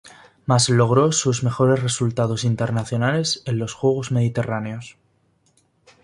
Mas logró sus mejores resultados internacionales en los Juegos Mediterráneos.